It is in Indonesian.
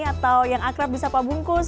atau yang akrab bisa pak bungkus